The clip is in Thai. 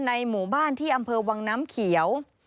ในหมู่บ้านที่อำเภอวังน้ำเขียว